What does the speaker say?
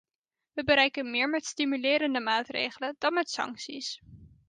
We bereiken meer met stimulerende maatregelen dan met sancties.